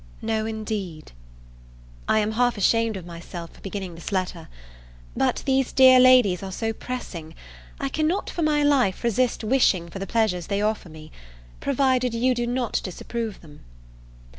No, indeed. I am half ashamed of myself for beginning this letter. But these dear ladies are so pressing I cannot, for my life, resist wishing for the pleasures they offer me, provided you do not disapprove them.